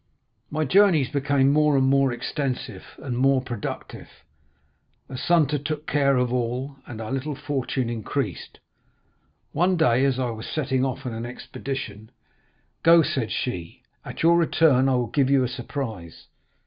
"My journeys became more and more extensive and more productive. Assunta took care of all, and our little fortune increased. One day as I was setting off on an expedition, 'Go,' said she; 'at your return I will give you a surprise.